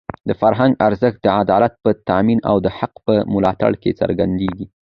د فرهنګ ارزښت د عدالت په تامین او د حق په ملاتړ کې څرګندېږي.